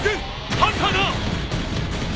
ハンターだ！